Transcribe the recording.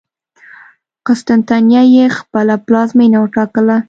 قسطنطنیه یې خپله پلازمېنه وټاکله.